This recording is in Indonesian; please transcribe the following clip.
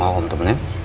mau om temenin